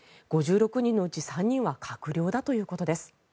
５６人のうち３人は閣僚だということです。